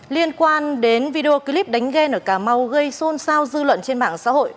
liên quan đến video clip đánh gan ở cà mau gây xôn xao dư luận trên mạng xã hội